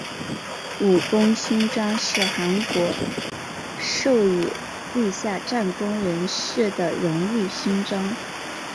武功勋章是韩国授予立下战功人士的荣誉勋章。